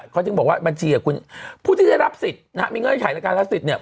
เขาจึงบอกว่าบัญชีหรือคุณผู้ที่ได้รับสิทธิ์นะครับมีเงินให้ใช้ในการรับสิทธิ์เนี่ย